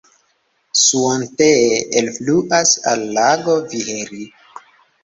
Suontee elfluas al lago Viheri.